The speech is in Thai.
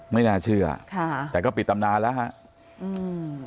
ไม่น่าเชื่อค่ะแต่ก็ปิดตำนานแล้วฮะอืม